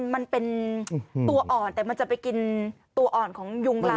มันเป็นตัวอ่อนแต่มันจะไปกินตัวอ่อนของยุงลาย